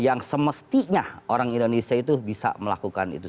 yang semestinya orang indonesia itu bisa melakukan itu